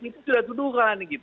itu sudah tuduhan